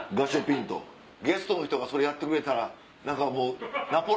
ゲストの人がそれやってくれたら。